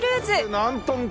何トン級？